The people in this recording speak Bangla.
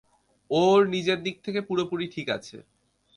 ও ওর নিজের দিক থেকে পুরোপুরি ঠিক আছে।